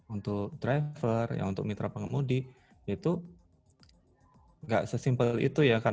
untuk driver untuk mitra pengemudi itu tidak sesimpel itu ya